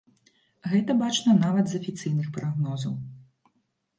Гэта бачна нават з афіцыйных прагнозаў.